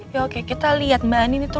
ya oke kita liat mbak andini tuh